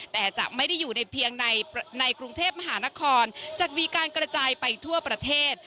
แต่จะไม่ได้อยู่ในเพียงในกรุงเทพมหานครจะมีการกระจายไปทั่วประเทศ